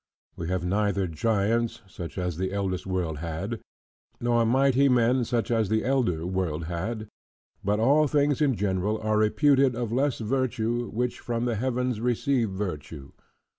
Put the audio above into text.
We have neither giants, such as the eldest world had; nor mighty men, such as the elder world had; but all things in general are reputed of less virtue which from the heavens receive virtue.